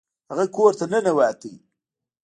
هغه کور ته ننوت.